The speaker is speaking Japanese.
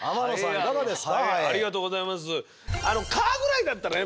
いかがですか？